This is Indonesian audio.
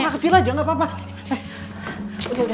udah mendingan duduk dulu biar aku cari obatnya